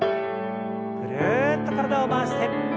ぐるっと体を回して。